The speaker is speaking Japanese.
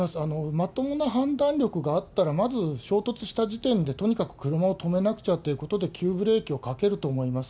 まともな判断力があったら、まず衝突した時点で、とにかく車を止めなくちゃということで、急ブレーキをかけると思います。